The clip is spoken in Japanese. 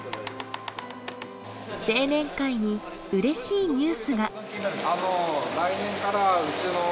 青年会にうれしいニュースが。